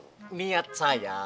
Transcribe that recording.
niat saya uang itu memang berharga